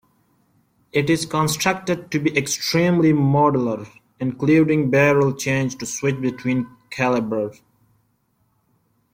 It is constructed to be extremely modular, including barrel change to switch between calibers.